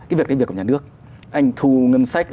cái việc đấy là việc của nhà nước anh thu ngân sách